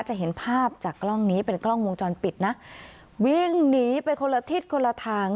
จะเห็นภาพจากกล้องนี้เป็นกล้องวงจรปิดนะวิ่งหนีไปคนละทิศคนละทาง